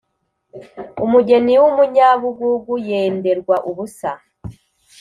umugeni w'umunyabugugu yenderwa ubusa.